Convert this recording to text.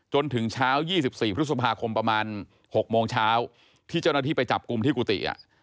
จนถึงเช้า๒๔พฤษภาคมประมาณ๖โมงเช้าที่เจ้าหน้าที่ไปจับกลุ่มที่กุฏิ